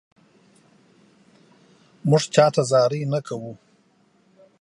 مونږ چاته زاري نه کوو